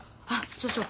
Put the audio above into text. そうそう